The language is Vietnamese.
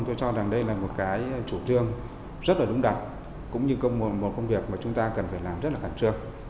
tôi cho rằng đây là một cái chủ trương rất là đúng đắn cũng như một công việc mà chúng ta cần phải làm rất là khẳng trương